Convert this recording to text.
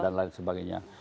dan lain sebagainya